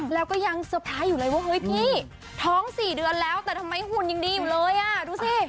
แล้วก็ยังเตอร์ไพรส์อยู่เลยว่าเฮ้ยพี่ท้อง๔เดือนแล้วแต่ทำไมหุ่นยังดีอยู่เลยอ่ะดูสิ